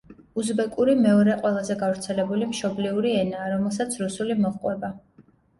უზბეკური მეორე ყველაზე გავრცელებული მშობლიური ენაა, რომელსაც რუსული მოჰყვება.